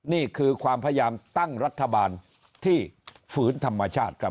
นี่คือความพยายามตั้งรัฐบาลที่ฝืนธรรมชาติครับ